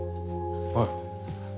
おい。